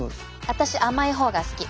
私甘い方が好き。